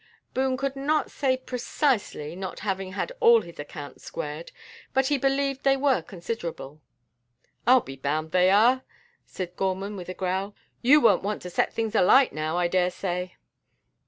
Boone could not say precisely, not having had all his accounts squared, but he believed they were considerable. "I'll be bound they are," said Gorman with a growl; "you won't want to set things alight now, I daresay."